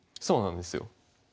そうなんですよ。